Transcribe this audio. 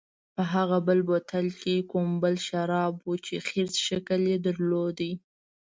په هغه بل بوتل کې کومل شراب و چې خرس شکل یې درلود.